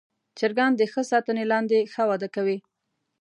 چرګان د ښه ساتنې لاندې ښه وده کوي.